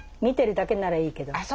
見てるだけならいいけど。